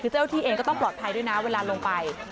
คือเจ้าที่เองก็ต้องปลอดภัยด้วยนะเวลาลงไป